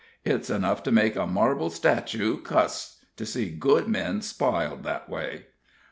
It's enough to make a marble statoo cuss to see good men spiled that way."